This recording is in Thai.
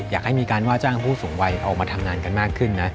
อยากให้มีการว่าจ้างผู้สูงวัยออกมาทำงานกันมากขึ้นนะ